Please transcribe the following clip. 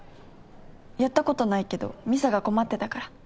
やったことないけど美沙が困ってたから。